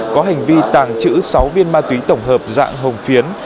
có hành vi tàng trữ sáu viên ma túy tổng hợp dạng hồng phiến